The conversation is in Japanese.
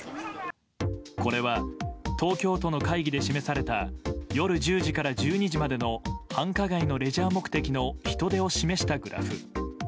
これは、東京都の会議で示された夜１０時から１２時までの繁華街のレジャー目的の人出を示したグラフ。